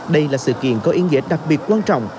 đây là sự kiện có ý nghĩa đặc biệt quan trọng